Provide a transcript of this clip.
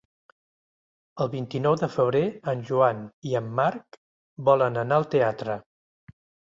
El vint-i-nou de febrer en Joan i en Marc volen anar al teatre.